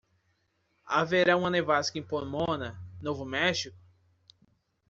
Haverá uma nevasca em Pomona? Novo México?